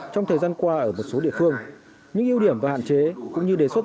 trong thời gian qua ở một số địa phương những ưu điểm và hạn chế cũng như đề xuất